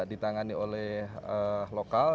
ditangani oleh lokal